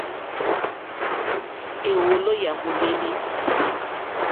Éwòló yá mòlêlì.